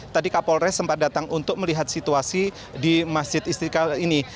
tadi kapolres sempat datang untuk melihat situasi di masjid istiqlal ini